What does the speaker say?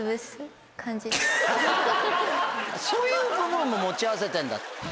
そういう部分も持ち合わせてんだ。